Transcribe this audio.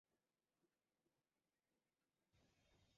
Google বিনা মূল্যে নানা সুবিধা নিচ্ছে বলে তাদের অভিযোগের অন্ত নেই।